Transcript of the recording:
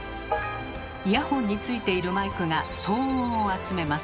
イヤホンについているマイクが騒音を集めます。